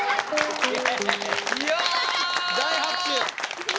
大拍手！